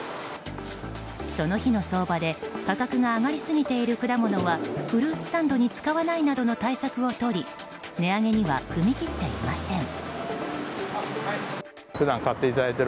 その日の相場で価格が上がりすぎている果物はフルーツサンドに使わないなどの対策をとり値上げには踏み切っていません。